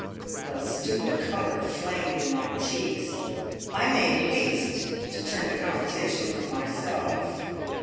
The stupid colour flamed in my cheeks. I made haste to turn the conversation from myself.